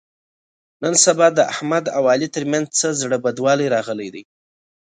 نن سبا د احمد او علي تر منځ څه زړه بدوالی راغلی دی.